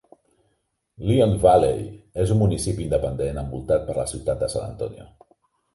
Leon Valley és un municipi independent envoltat per la ciutat de San Antonio.